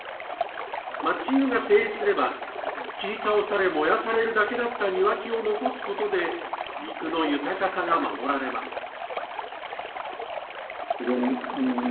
マッチングが成立すれば、切り倒され、燃やされるだけだった庭木を残すことで、陸の豊かさが守られます。